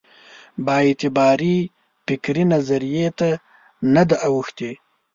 بااعتبارې فکري نظریې ته نه ده اوښتې.